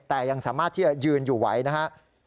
แต่ยังสามารถที่จะยืนอยู่ไหวนะครับ